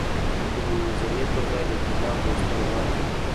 د مناظرې پر ځای د کتاب لوستل غوره دي.